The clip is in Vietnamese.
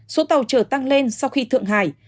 số tàu trở tăng lên sau khi thượng hải